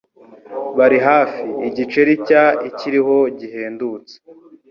Bari hafi igiceri cya ikiro gihendutse.